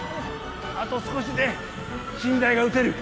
あと少しで新台が打てる。